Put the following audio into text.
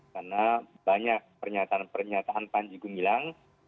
karena banyak pernyataan pernyataan panji gumilang